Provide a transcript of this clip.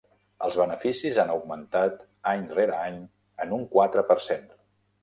Els beneficis han augmentat any rere any en un quatre per cent.